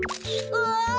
うわ。